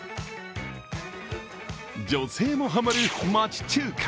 女性もハマる町中華。